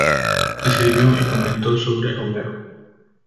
Escribió y comentó sobre Homero.